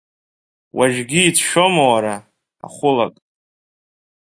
Уажәгьы уицәшәома уара, ахәылак?!